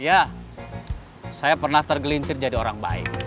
ya saya pernah tergelincir jadi orang baik